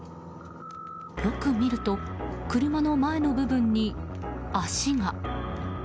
よく見ると車の前の部分に足が。